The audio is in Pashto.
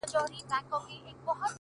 شېرينې ستا د تورو سترگو په کمال کي سته’